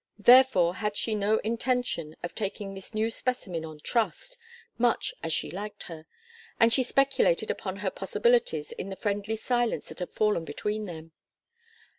Therefore had she no intention of taking this new specimen on trust, much as she liked her, and she speculated upon her possibilities in the friendly silence that had fallen between them.